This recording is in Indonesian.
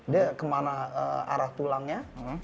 dia kemana arah tulangnya